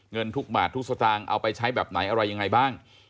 เงินทุกบาททุกสตางค์เอาไปใช้แบบไหนอะไรยังไงบ้าง